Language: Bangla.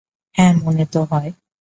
হ্যাঁ, মনে তো হয়।